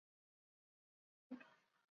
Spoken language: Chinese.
对罹难者家属